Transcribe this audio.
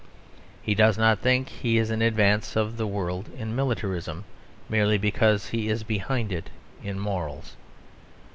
He does not think he is in advance of the world in militarism, merely because he is behind it in morals.